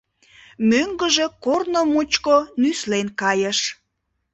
Мӧҥгыжӧ корно мучко нюслен кайыш.